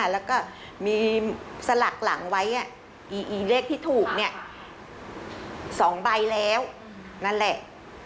แล้วก็มีสลักหลังไว้อีเลขที่ถูก๒ใบแล้วนั่นแหละ